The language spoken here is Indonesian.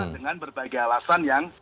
dengan berbagai alasan yang